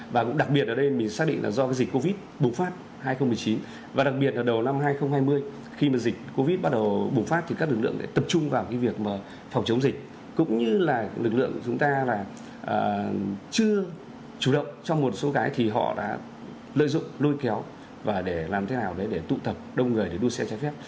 và cũng đặc biệt ở đây mình xác định là do dịch covid bùng phát hai nghìn một mươi chín và đặc biệt ở đầu năm hai nghìn hai mươi khi mà dịch covid bắt đầu bùng phát thì các lực lượng tập trung vào việc phòng chống dịch cũng như là lực lượng chúng ta là chưa chủ động trong một số cái thì họ đã lợi dụng lôi kéo và để làm thế nào để tụ tập đông người để đua xe trái phép